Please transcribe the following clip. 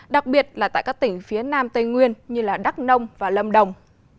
tại các tỉnh phía nam tây nguyên như đắk nông và lâm đồng